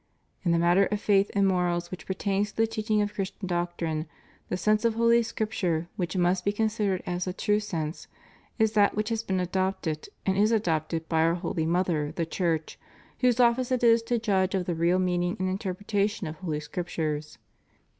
"In the matter of faith and morals which pertain to the teach ing of Christian doctrine, the sense of Holy Scripture, which must be considered as the true sense, is that which has been adopted and is adopted by our holy mother, the Church, whose office it is to judge of the real meaning and interpretation of Holy Scriptures.